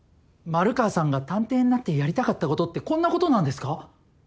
丸川さんが探偵になってやりたかったことってこんなことなんですか？